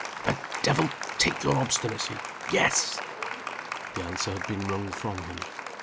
"The devil take your obstinacy! Yes!" The answer had been wrung from him.